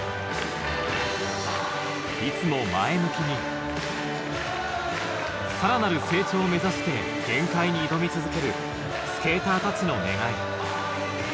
いつも前向きにさらなる成長を目指して限界に挑み続けるスケーターたちの願い